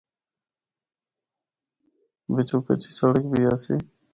بِچّو کچی سڑک بھی آسی۔